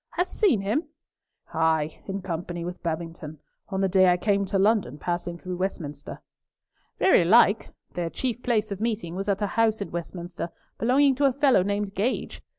"Hast seen him?" "Ay, in company with Babington, on the day I came to London, passing through Westminster." "Very like. Their chief place of meeting was at a house at Westminster belonging to a fellow named Gage.